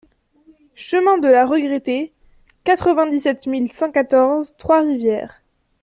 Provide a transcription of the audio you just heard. Chemin de la Regrettée, quatre-vingt-dix-sept mille cent quatorze Trois-Rivières